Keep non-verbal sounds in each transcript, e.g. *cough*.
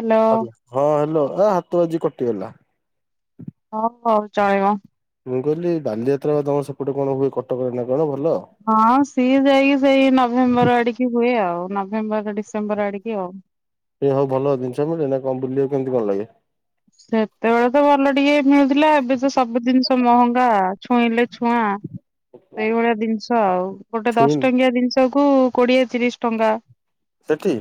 Hello ଆଜ୍ଞା ହଁ hello ହଁ ହାତ ବାଜି କି କଟିଗଲା। ହଉ ହଉ ଚଳିବ। ମୁଁ କହିଲି ବାଲିଯାତ୍ରା ବା ତମର ସେପଟେ କଣ ହୁଏ କଟକରେ ନା କଣ? ଭଲ? ହଁ ସିଏ ଯାଇକି ସେଇ ନଭେମ୍ବର ଆଡ଼ିକି ହୁଏ ଆଉ ନଭେମ୍ବର ଡିସେ ଏ ହଉ ଭଲ ଜିନିଷ ମିଳେ ନା କଣ ବୁଲିବାକୁ ଏମିତି ଭଲ ଲାଗେ। ସେତେବେଳେ ତ ଭଲ ଟିକେ ନଉଥିଲା ଏବେ ତ ସବୁ ଜିନିଷ ମହଙ୍ଗା ଛୁଇଁଲେ ଛୁଆଁ। ସେଇଭଳିଆ ଜିନିଷ ଆଉ ଗୋଟେ ଦଶ ଛୁଇଁନି ଟଙ୍କିଆ ଜିନିଷ କୁ କୋଡ଼ିଏ ତିରିଶି ଟଙ୍କା। ସେଠି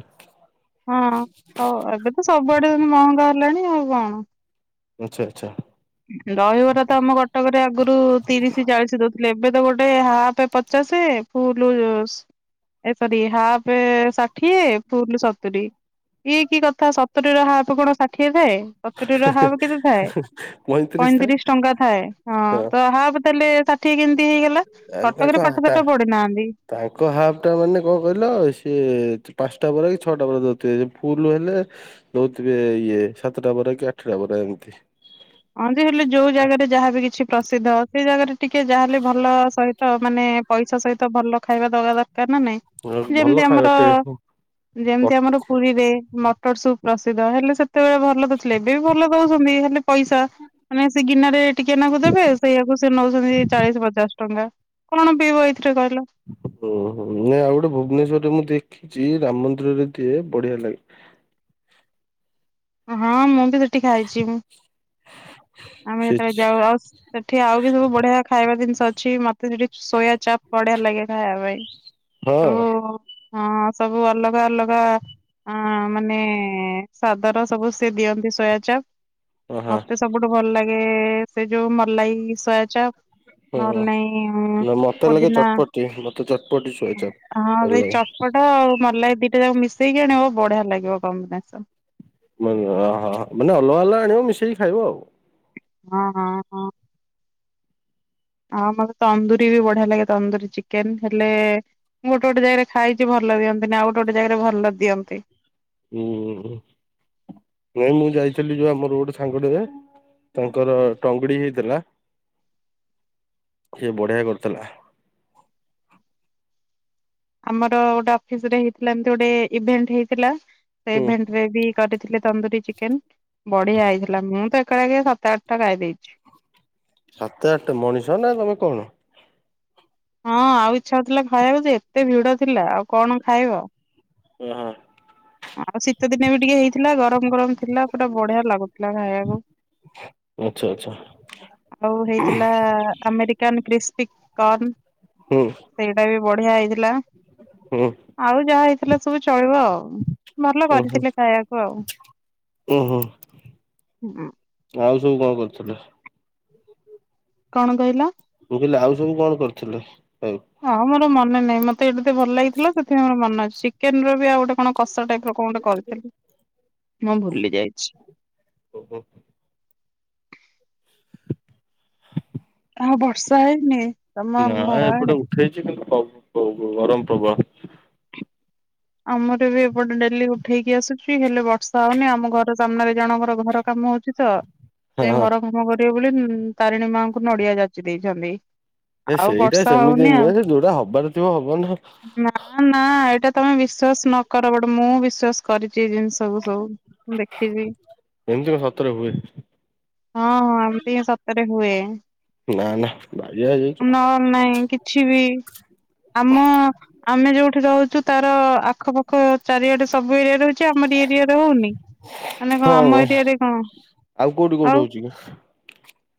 ହଁ ସ ଏବେତ ସବୁଆଡ଼େ ମହଙ୍ଗା ହେଲାଣି ଆଉ କଣ। ଆଚ୍ଛା ଆଚ୍ଛା। ଦହିବରା ତ ଆମ କଟକରେ ଆଗରୁ ତିରିଶି ଚାଳିଶି ଦଉଥିଲେ ଏ ଏବେ ତ ଗୋଟେ ହାପ୍ ପଚାଶେ ଫୁଲ୍ ସ ଏ ସରି ହାପ୍ ଷାଠିଏ ଫୁଲ ସତୁରି ଇ କି କଥା ସତୁ ସତୁୁରୀର ହାପ୍ କଣ ଷାଠିଏ ଥାଏ ସତୁରୀ ର ହାପ୍ କେତେ ଥାଏ। ପଇଁତିରିଶ ଥାଏ ପଇଁତିରିଶି ଟଙ୍କା ଥାଏ ହଁ ତ ହାପ୍ ତାଲେ ଷାଠି *unintelligible* ପଢି ନାହାନ୍ତି। ତାଙ୍କ ହାଫ୍ ଟା ମାନେ କଣ କହିଲ ସିଏ ପାଞ୍ଚ ପାଚଟା ବରା କି ଛଅଟା ବରା ଦଉଥିବେ ଯଦି ଫୁଲ୍ ହେଲେ ଦଉଥିବେ ଇଏ ସାତଟା ବରା କି ଆଠଟା ବରା ଏମିତି। ହଁ ଯେ ହେଲେ ଯୋଉ ଜାଗାରେ ଯାହାବି କିଛି ପ୍ରସିଦ୍ଧ ସେଇ ଜାଗାରେ ଟିକେ ଯାହାହେଲେ ଭଲ ସହିତ ମାନେ ପଇସା ସହିତ ଭଲ ଖାଇବା ଦବା ଦ କାର୍ ନାଇଁ ଆଉ ଭଲ ଯେମିତି ଖାଇବା ଆମର ଟେ ହୁଁ ଯେମିତି ଆମର ପୁରୀରେ ମଟର ସୁପ୍ ପ୍ରସିଦ୍ଧ ହେଲେ ସେତେବେଳେ ଭଲ ଦଉଥିଲେ ଏବେ ବି ଭଲ ଦଉଚନ୍ତି ହେ ପଇସା ମାନେ ସେ ଗିନାରେ ଟିକେନାକୁ ଦେବେ ସେଇଆକୁ ସେ ନେଉଛନ୍ତି ଚାଳିଶି ପଚାଶେ। ଟଙ୍କା କଣ ପିବ ଏ ହୁଁ ହୁଁ ନାଇଁ ଆଉ ଗୋଟେ ଭୁବନେଶ୍ୱରରେ ମୁଁ ଦେଖି ଚି ରାମ ମନ୍ଦିରରେ ଦିଏ ବଢିଆ ଲାଗେ। ହଁ ମୁଁ ବି ସେଠି ଖାଇଛି। ଆମେ ସେ ଯେତେବେଳେ ଯାଉ ଆଉ ସେଠି ଆଉ ବି ସବୁ ବଢିଆ ଖାଇବା ଜିନିଷ ଅଛି ମତେ ସେଠି ସୋୟା ଚପ୍ ବଢିଆ ଲାଗେ ଖାଇବା ପାଇଁ। ହଁ। ସବୁ ହଁ ସବୁ ଅଲଗା ଅଲଗା ଅ ମାନେ ସା ସବୁ ସେ ଦିଅନ୍ତି ସୋୟା ଚପ ହଁ। ମତେ ସବୁଠୁ ଭଲ ଲାଗେ ସେ ଯଉ ମଲାଇ ସୋୟଚପ୍। ହୁଁ ନହେଲେ ନାଇଁ ନା ମତେ ଲାଗେ ପୋଦିନା ଚଟପଟି ମତେ ଚଟପଟି ସୋୟାଚପ ଭଲ ହଇ ଲାଗେ ଚଟପଟା ଆଉ ମଲାଇ ଦିଟା ଯାକୁ ମିଶେଇକି ଆଣିବ ବଢିଆ ଲାଗିବ କମ୍ବିନେସନ। ମ ଅହ ମାନେ ଅଲଗା ଅଲଗା ଆଣିବ ମିଶେଇକି ଖାଇବ ଆଉ। ହଁ ହଁ ହଁ। ହଁ ମୋତ ତନ୍ଦୁରୀ ବି ବଢିଆ ଲାଗେ ତନ୍ଦୁରୀ ଚିକେନ ହେଲେ ମୁଁ ଗୋଟେ ଗୋଟେ ଜାଗାରେ ଖାଇଛି ଭଲ ଦିଅନ୍ତିନି ଆଉ ଗୋଟେ ଗୋେ ଜାଗାରେ ଭଲ ଦିଅନ୍ତି। ହୁଁ ନାଇଁ ମୁଁ ଯାଇଥିଲି ଯୋଉ ଆମର ଗୋଟେ ସାଙ୍ଗଟେ ତାଙ୍କର ଟଙ୍ଗଡି ହେଇ ଥିଲା ସେ ବଢିଆ କରିଥିଲା। ଆମର ଗୋଟେ ଅଫିସ ରେ ହେଇଥିଲା ଏମତି ଗୋଟେ ଇଭେଣ୍ଟ ହେଇଥିଲା। ସେ ହୁଁ ଇଭେଣ୍ଟ ରେ ବି କରିଥିଲେ ତନ୍ଦୁରୀ ଚିକେନ ବଢିଆ ହେଇଥିଲା ମୁଁ ତ ଏକା ସାତ ଆଠଟା ଖାଇଦେଇଛି। ସାତ ଆଠଟା ମଣିଷ ନା ତମେ କଣ? ହଁ ଆଉ ଇଛା ହଉଥିଲା ଖାଇବାକୁ ଯେ ଏତେ ଭିଡ ଥିଲା ଆଉ କଣ ଖାଇବ? ଓ ହୋ। ଆଉ ଶୀତ ଦିନେ ବି ଟିକେ ହେଇଥିଲା ଗରମ ଗରମ ଥିଲା ପୁରା ବଢିଆ ଲାଗୁଥିଲା ଖାଇବାକୁ। ଆଚ୍ଛା ଆଚ୍ଛା ଆଉ ହେଇଥିଲା ଆମେରିକାନ କ୍ରିସ୍ କ୍ରିସପିକନ ହୁଁ ସେଇଟା ବି ବଢିଆ ହେଇଥିଲା ହୁଁ ଆଉ ଯାହା ହେଇ ଥିଲା ସବୁ ଚଳିବ ଆଉ ଭଲ କରିଥିଲେ ଖାଇବାକୁ ଆଉ। ଓହୋ ହୁଁ ଆଉ ସବୁ କଣ କରୁଥିଲେ? କଣ କହିଲ? ମୁ କହିଲି ଆଉ ସବୁ କଣ କରିଥିଲ ଲାଇଫ ରେ ନାଇଁନାଇଁ ମତେ ଏମିତି ଭଲ ଲାଗିଥିଲା ସେଥିପାଇଁ ମୋର ମନ ଅଛି। ଚିକେନ ର ବି ଆଉ ଗୋଟେ କଣ କସା ଟାଇପ ର କଣ ଗୋଟେ କରିଥିଲି ମୁଁ ଭୁଲି ଯାଇଛି। ଓହୋ। *inaudible* ହଁ ବର୍ଷା ହେଇନି। ତମ ନା ଘର ଆଡେ? ଏପଟେ ଉଠେଇଛି କିନ୍ତୁ କ ପ ଗରମ ପ୍ରବଳ। ଆମର ବି ଏପଟେ ଡେଲି ଉଠେଇକି ଆସୁଛି ହେଲେ ବର୍ଷା ହଉନି ଆମ ଘର ସାମ୍ନାରେ ଜଣଙ୍କର ଘର କାମ କାମ ହଉଛି ତ ହଁ ସେ ହଁ ଘର କାମ କରିବେ ବୋଲି ତାରିଣୀ ମାଙ୍କୁ ନଡିଆ ଯାଚି ଦେଇଛନ୍ତି। ଏ ଆଉ ସେଇଟା ବର୍ଷା ସେମିତି ହଉନି ନୁହେଁ ଆଉ। ସେ ଯୋଉଟା ହବାର ଥିବ ହବ ନା ନା ନା ଏଇଟା ତମେ ବିଶ୍ଵାସ ନ କର ବଟ୍ ମୁଁ ବିଶ୍ଵାସ କରିଛି। ଏଇ ଜିନିଷକୁ ସବୁ ସବୁ ମୁ ଦେଖିଚି। ଥରେ ହୁଏ। ହଁ ହଁ ଏମିତି ହିଁ ସତରେ ହୁଏ। ନା ନା। ବାଇଆ ହେଇଯାଇଛୁ ନହେଲେ ନାଇଁ କିଛି ବି ଆମ ଆମେ ଯୋଉଠି ରହୁଛୁ ତାର ଆଖପାଖ ଚାରିଆଡେ ସବୁ ଏରିଆ ରହୁଛି ଆମରି ଏରିଆରେ ହଉନି ମାନେ କଣ ହଁ ଆମ ଏରିଆରେ କଣ? ଆଉ କୋଉଠି କୋଉଠି ହଉଛି।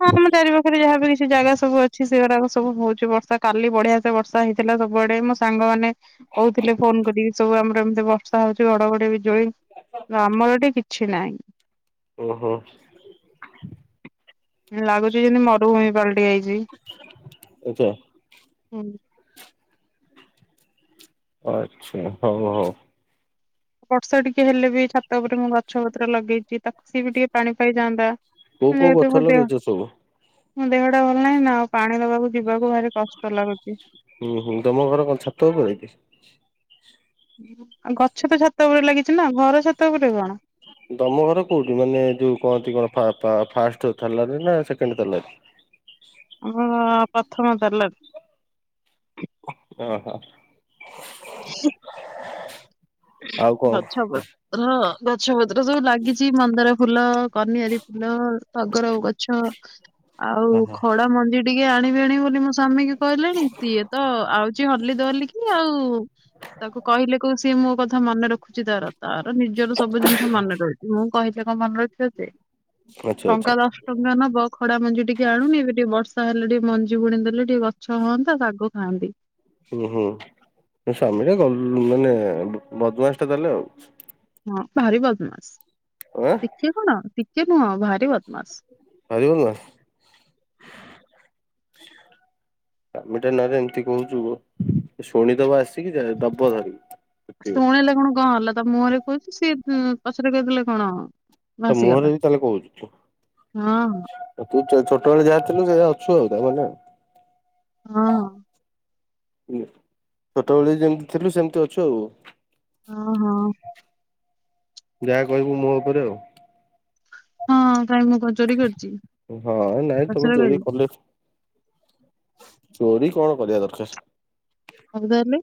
ହଁ ଆମ ଚାରି ପାଖରେ ଯାହା ବି କିଛି ଜାଗା ସବୁ ଅଛି। ଛି ସେଗୁରାକ ସବୁ ହଉଛି ବର୍ଷା କାଲି ବଢିଆ ସେ ବର୍ଷା ହେଇଥିଲା ସବୁଆଡେ ମୋ ସାଙ୍ଗମାନେ କହୁଥିଲେ ଫୋ ଫୋନ୍ କରିକୁ ସବୁ ଆମର ଏମିତି ବର୍ଷା ହଉଛି ଘଡଘଡି ବିଜୁଳି ଆମର ଏଥି କିଛି ନାହିଁ। ଓହୋ। ଲାଗୁଛି ଯେମିତି ମରୁଭୂମି ପାଲ୍ ହେଇ ଯାଇଛି ଆଚ୍ଛା ହୁଁ। ଆଛା ହଉ ହଉ। ବର୍ଷା ଟିକେ ହେଲେ ବି ଛାତ ଉପରେ ମୁଁ ଗଛ ପତ୍ର ଲଗେଇଛି ତାକୁ ସିଏ ବି ଟିକେ ପାଣି ପାଇଯାଆନ୍ତା। କୋଉ କୋଉ ଗଛ ଲଗେଇଛ ସବୁ ଦେହଟା ଭଲ ନାହିଁ ନା ଆଉ ପାଣି ଦବାକୁ ଯିବାକୁ ଭାରି କଷ୍ଟ ଲାଗୁଛି। ହୁଁ, ହୁଁ, ତମ ଘର କଣ ଛାତ ଉପରେ? ଗଛ ତ ଛାତ ଉପରେ ଲାଗିଛି ନା, ଘର ଛାତ ଉପରେ କଣ? ତମ ଘର କୋଉଠି ମାନେ, ଯୋଉ କହନ୍ତି କଣ? ଫାଷ୍ଟ ତଲାରେ ନା ସେକେଣ୍ଡ ତାଲାରେ *inaudible* ହଁ ପ୍ରଥମ ତାଲା ରେ ଓହୋ *inaudible* ଆଉ କଣ ଗଛପତ୍ର, ଗଛପତ୍ର ସବୁ ଲାଗିଛି, ମନ୍ଦାର ଫୁଲ, କନିଆରୀ ଫୁଲ, ତଗର ଗଛ, ଆଉ ଓହୋ ଖଡ଼ା ମଞ୍ଜି ତି ଏ ଆଣିବି, ଆଣିବି, ବୋଲି ମୋ ସାମୀ କି କହିଲି ଣି, ସିଏ ତ ଆଉଛି ହଲି ଦୋହଲି କି ଆଉ ତାକୁ କହିଲେ କୋଉ ସିଏ ମୋ କଥା ମନେ ରଖୁଛି ତାର, ତାର ନିଜର ସବୁ ଜିନିଷ ମନେ ରହୁଛି, ମୁଁ କହିଲେ କଣ ମନେରହି *inaudible* ଆଚ୍ଛା ଆଚ୍ଛା ଟଙ୍କା, ଦଶ ଟଙ୍କା ନବ, ଖଡା ମଞ୍ଜି ଟିକେ ଆଣୁନି ଏବେ ଟିକେ ବର୍ଷା ହେଲେ ଟିକେ ମଞ୍ଜି ବୁଣି ଦେଲେ ଟିକେ ଗଛ ହୁଅନ୍ତା ତାକୁ ଖାଆନ୍ତି। ହୁଁ, ହୁଁ, ସ୍ଵାମୀଟା ଗଲଉ ମାନେ ବଦମାସ ଟା ତାହେଲେ ଆଉ ହଁ ଭାରି ବଦମାସ, ଆଁ ଟିକେ କଣ ଟିକେ ନୁହଁ, ଭାରି ବଦମାସ। ହାରିବ ନାହିଁ *unintelligible* ସ୍ବାମୀତା ନାରେ ଏମିତି କହୁଛୁ ଶୁଣିଦବ ଆସିକି ଯ ଦବ ଧରିକି। ପିଟିବ ଶୁଣିଲେ କଣ, କଣ ହେଲା? ତା ମୁହଁରେ କହୁଛି ସିଏ ପଛରେ କହିଦେଲେ କଣ? ତା ମୁହଁରେ ଭାସିଗଲା ବି ତାହେଲେ କହୁଛୁ। ହଁ ଛୋଟବେେଳେ ଯାହା ଥିଲୁ, ସେଇଆ ଅଛୁ, ଆଉ ତାମାନେ ହଁ। ଛୋଟବେଳେ ଯେମିତି ଥିଲୁ, ସେମିତି ଅଛୁ ଆଉ ହଁ, ହଁ ଯାହା କହିବୁ ମୁହଁ ଉପରେ ଆଉ ହଁ। କାଇଁ ମୁଁ କଣ ଚୋରି କରିଛି କି, ହଁ ନାଇଁ ତମେ ପଛରେ ଚୋରି କହିବି। କଲେ ଚୋରି କଣ କରିବା ଦରକାର। ମଗଦାରିଲ *unintelligible*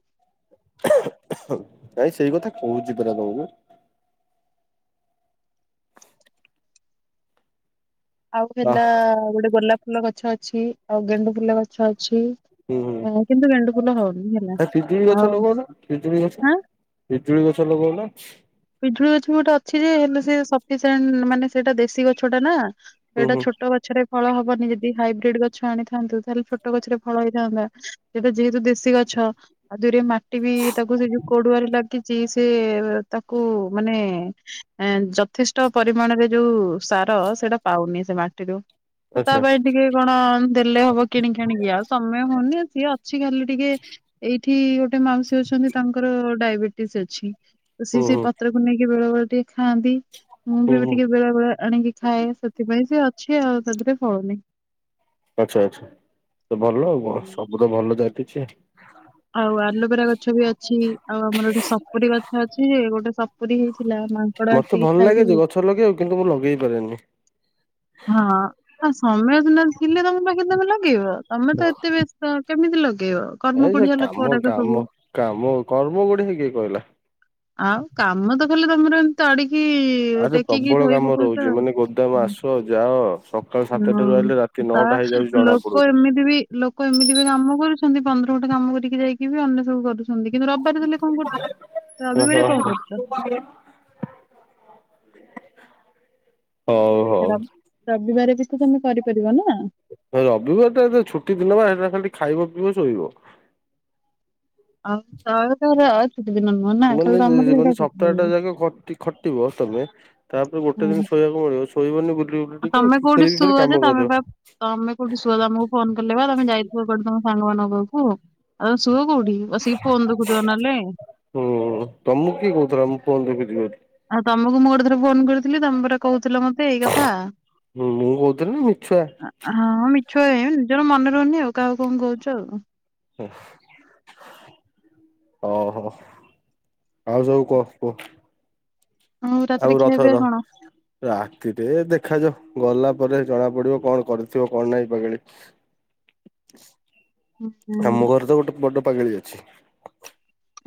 ହ, ନାଇଁ ସେଇ କଥା କହୁଛି ପରା ତମକୁ ଆଉ ଆ ହେଲା, ଗୋଟେ ଗୋଲାପ ଫୁଲ ଗଛ ଅଛି ଆଉ ଗେଣ୍ଡୁ ଫୁଲ ଗଛ ଅଛି। ହୁଁ ହୁଁ ଅଛି, କିନ୍ତୁ ଗେଣ୍ଡୁ ଫୁଲ ହଉନି ହେଲା, ଆ ପିଜୁଳି ଗଛ ଆଉଁ ଲଗଉନ ପିଜୁଳି ଗଛ ପିଜୁଳି ଗଛ ଲଗଉନ? ପିଜୁଳି ଗଛ ବି ଗୋଟେ ଅଛି ଯେ ହେଲେ ସେ ସିଣ୍ଟ *unintelligible* ମାନେ ସେଇଟା ଦେଶୀ ଗଛ ଟା ନା ହୁଁ ଏଇଟା ହୁଁ ଛୋଟ ଗଛରେ ଫଳ ହବନି, ଯଦି ହାଇବ୍ରିଡ ଗଛ ଆଣିଥାନ୍ତୁ, ତାହେଲେ ଛୋଟ ଗଛରେ ଫଳ ହେଇଥାନ୍ତା, ଯେହେତୁ ଦେଶୀ ଗଛ ଗଛ ଆଉ ଦୁଇରେ ମାଟି ବି, ତାକୁ ସେ ଯୋଉ କଡୁଆରେ ଲାଗିଛି ସେ ତାକୁ ମାନେ ଯଥେଷ୍ଟ ପରିମାଣରେ ଯୋଉ ସାର ସେଇଟା ପାଉନି, ସେ ମାଟିରୁ ତା ଆଚ୍ଛା ପାଇଁ ଟିକେ କଣ ଦେଲେ ହବ, କିଣିକିି ଆଣିକି, ଆଉ ସମୟ ହଉନି ସିଏ ଅଛି ଖାଲି ଟିକେ ଏଇ ଏଠି ଗୋଟେ ମାଉସୀ ଅଛନ୍ତି, ତାଙ୍କର ଡାଇବେଟିସ ଅଛି ତ ସି ହୁଁ ସେଇ ହୁଁ ପତ୍ରକୁ ନେଇକି ବେଳେ ବେଳେ ଟିକେ ଖାଆନ୍ତି, ମୁଁ ବି ହୁଁ ହୁଁ ଟିକେ ବେଳେ ବେଳେ ଆଣିକି ଖାଏ, ସେଥିପାଇଁ ସେ ଅ ଅଛି, ଆଉ ତାଦରେ ଫଳୁନି। ଆଛା, ଆଛା, ଭଲ ଆଉ ହୁଁ। ସବୁ ତ ଭଲ ଜାଟିଛି - *unintelligible* ଆଉ ଆଲୋଭେରା ଗଛ ବି ଅଛି ଆଉ ଆମର ଗୋଟେ ସପୁରୀ ଗଛ ଅଛି ଯେ -ଗୋଟେ ସପୁରୀ ଥିଲା, ମାଙ୍କଡ ମତେ ଆସିକି ଭଲ ଲାଗେ ଖାଇ ଯେ ଗଛ ଲଗେଇବାକୁ କିନ୍ତୁ ମୁଁ ଲଗେଇ ପାରେନି ହଁ ଆଉ ସମୟ ସିନା ଥିଲେ ତମ ପାଖରେ ତମ ଲଗେଇବ, ତମେ ହଁ ତ ଏତେ ବ୍ୟସ୍ତ କେମିତି ଲଗେଇବ। ଏ କର୍ମ ସେ କୋଢିଆ କାମ ଲୋକଗୁରାକ ସବୁ। କାମ କାମ କର୍ମ ଗୋଟେ ସେ କିଏ କହିଲା? ଆଉ କାମ ତ ଖାଲି ତମର ଏମିତି ତାଡ଼ିକି *unintelligible* ଁ ଆରେ ପ୍ରବଳ କାମ ରହୁଛି ଆଉ। ମାନେ ଗୋଦାମ ଆସ ଯାଅ ସକାଳ ସାତଟାାରୁ ହଁ ରହିଲେ ରାତି ତା ନଅଟା ହେଇ ଲୋକ ଏମିତି ବି ଲୋକ ଏମିତି େ କାମ କରୁଛନ୍ତି ପନ୍ଦର ଘଣ୍ଟା କାମ କରିକି ଯାଇକି ବି ଅନ୍ୟ ସବୁ କରୁଛନ୍ତି କିନ୍ତୁ ରବିବାର ଦେଲେ କଣ କରୁଛୁ ଓୁଁ ହୁଁ ହଁ। ହଉ ର ହଉ। ରବିବାର ତମେ କରିପାରିବ ନା? ରବିବ ଏଟା ଛୁଟି ଦିନ ବା ସେଟା ଖାଲି ଖାଇବ ପିଇବ ଶୋଇବ। *unintelligible* ନୁହଁ ନା ଖାଲି ମାନେ ତମର ସେଇଟା ମାନେ ଛୁଟି ସପ୍ତାହ ଦିନ ଟା ଯାକ ଖଟିବ ତମେ ତାପରେ ଗୋଟେ ଦିନ ଶୋଇବାକୁ ମିଳିବ ଶୋଇିବନି ଆ ତମେ କୋଉଠି ଶୁଅ ଯେ ତମେ ବା ତମେ କୋଉଠି ଶୁଅ ତମକୁ ଫୋନ କଲେ ବା ତମେ ଯାଇଥିବ କୋଉଠି ତମ ସାଙ୍ଗ *unintelligible* ହିଁ ସୁଅ କୋଉଠି ବସିକି ଫୋନ୍ ଦେଖୁଥିବ ନହେଲେ ହୁଁ ତମକୁ *unintelligible* ଆଉ ତମକୁ ମୁଁ ଗୋଟେ ଥର ଫୋନ କରିଥିଲି ତମ ପରା କହୁ ମତେ ଏଇ କଥା ମୁଁ କହୁଥିଲି ନା ମିଛୁଆ ହ ମିଛ ନିଜର ମନ ରନୀ ଆଉ କାହାକୁ କଣ କହୁଛୁ ଆଉ। ହୁଁ। ଓହୋ ଆଉ ଯାଉ କହ କୁହ। ଆଉ ରାତିରେ ଖିଆ ରଥ ପିଆ ର କଣ? ରାତିରେ ଦେଖାଯାଉ। ଗଲା ପରେ ଜଣା ପଡିବ କଣ କରିଥିବ କଣ ନାହିଁ ପାଗେଳି। ଆମ ହୁଁ ଘରେ ତ ଗୋଟେ ବଡ ପାାଗଳି ଅଛି।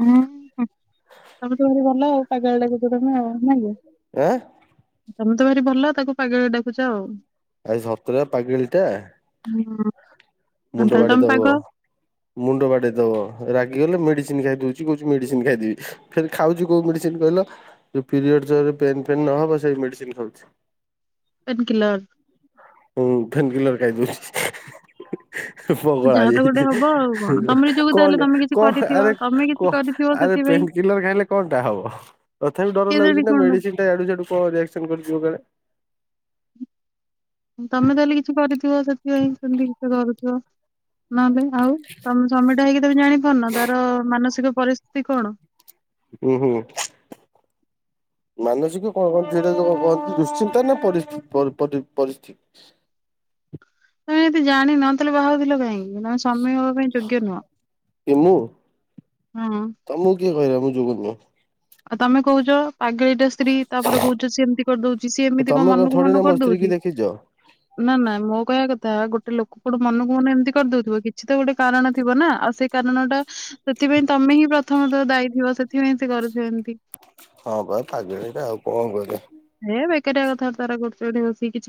ହଁ ତମେ ତ ଭାରି ଭଲ ପାଗେଲି ଡାକୁଛ ତମେ। ଆଁ। ତମେ ତ ଭାରି ଭଲ ତାକୁ ପାଗେଳି ଡାକୁଛ ଆଉ। ଆରେ ସତରେ ପାଗିଳିଟା। ହୁଁ ମୁଣ୍ଡ ତାହେଲେ ବାଡ଼େଇ ତମେ ଦବ ପାଗଳ ମୁଣ୍ଡ ବାଡ଼େଇ ଦବ ରାଗିଗଲେ ମେଡିସିନ ଖାଇଦଉଛି କହୁଛି ମେଡିସିନ ଖାଇଦେବି ଫେଣି ଖାଉଛି କୋଉ ମେଡିସିନ କହିଲ ଫେନ୍ ନହବ ସେଇ ମେଡିସିନ ଖାଉଛି। Painkiller. ହଁ ପେନକିଲେର ଖାଇ ଦଉଚି। ଯାହା ତ ଗୋଟେ ପଗଳାହେଇଯାଇଛି ହବ ଆଉ କଣ ତମରି ଯୋଗୁ ତାହେଲେ କଣ ତମେ କିଛି କଣ କରିଥିବ ଆରେ ତମେ କିଛି କଣ କରିଥିବ ଆରେ ଏମତି ସେଥିପାଇଁ। ପେନକିଲ୍ଲର ଖାଇଲେ କଣଟା ହବ ତଥାପି ଡର କେଜାଣି ଲାଗୁଛି ନା କଣ ମେଡିସିନ ଟା ଆଡୁ ସାଡ଼ୁ କଣ ରିଆକ୍ସନ କରିଯିବ କାଳେ। ତମେ ତାହେଲେ କିଛି କରିଥିବ ସେଥିପାଇଁ ସେମିତି କିଛି କରୁଥିବ ନହେଲେ ଆଉ ତମେ ସ୍ୱାମୀ ହେଇକି ତ ଜାଣିପାରୁନ ତାର ମାନସିକ ପରିସ୍ଥିତି କଣ। ହୁଁ ହୁଁ। ମାନସିକ କଣ କଣ ସେଟା ଦୁଶ୍ଚିନ୍ତା ନା ପରିସ୍ଥିତି? ତମେ ଯଦି ଜାଣି ନ ତାହେଲେ ବାହା ହଉଥିଲ କାହିଁକି ତମେ ସ୍ୱାମୀ ହେବା ପାଇଁ ଯୋଗ୍ୟ ନୁହଁ। କିଏ ମୁଁ? ହଁ। ତମକୁ କିଏ କହିଲା ମୁଁ ଯୋଗ୍ୟ ନୁହ? ଆଉ ତମେ କହୁଛ। ପାଗଳିଟା ସ୍ତ୍ରୀ ତାପରେ କହୁଛ ସେ ଏମିତି କରିଦଉଛି ସିଏ ଏମିତି କଣ ତମେ ମନକୁ ଥୋଡି ମନ ନା ମୋ ସ୍ତ୍ରୀ କି କରିଦଉଛି। ଦେଖିଛ। ନା ନା ମୋ କହିବା କଥା ଗୋଟେ ଲୋକ କଣ ମନକୁ ମନେ ଏମିତି କରିଦଉଥିବ କିଛି ତ ଗୋଟେ କାରଣ ଥିବ ନା ଆଉ ସେଇ କାରଣ ଟା ସେଥିପାଇଁ ତମେ ହିଁ ପ୍ରଥମତ ଦାୟୀ ଥିବ ସେଥିପାଇଁ ସେ କରୁଥିବେ ଏମିତି। ହଁ ବା ପାଗଳିଟା ଆଉ କଣ କରିବ। ହେ ବେକାରିଆ କଥା ବାର୍ତ୍ତା କରୁଛି ଏଠି ବସିକି କିଛି।